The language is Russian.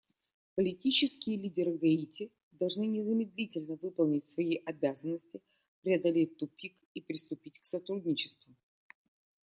Политические лидеры Гаити должны незамедлительно выполнить свои обязанности, преодолеть тупик и приступить к сотрудничеству.